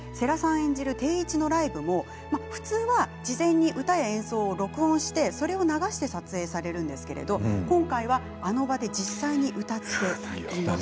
演じる定一のライブも普通は事前に歌や演奏を録音しそれを流して撮影されますが今回は、あの場で実際に歌っています。